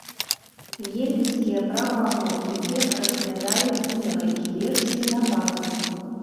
Йеменскія праваахоўнікі разглядаюць некалькі версій нападу.